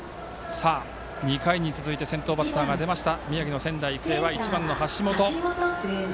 ２回に続いて先頭バッターが出ました宮城の仙台育英は１番の橋本。